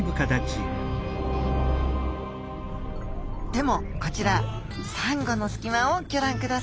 でもこちらサンゴの隙間をぎょらんください。